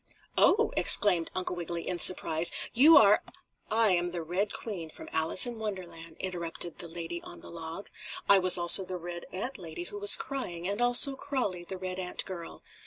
"Oh!" exclaimed Uncle Wiggily in surprise. "You are " "I am the Red Queen from Alice in Wonderland," interrupted the lady on the log. "I was also the red ant lady who was crying and also Crawlie, the red ant girl.